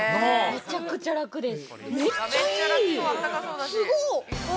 めっちゃくちゃ楽です。